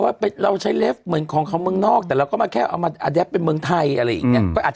ฟันกลับคอนต่างกูจะอาจจะโดนด่าน้อยนะ